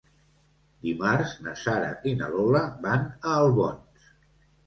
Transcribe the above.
Dimarts na Sara i na Lola van a Albons.